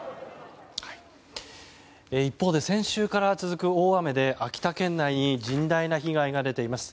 一方で先週から続く大雨で秋田県内に甚大な被害が出ています。